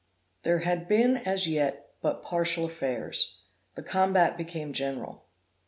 There had been as yet but partial affairs; the combat became general.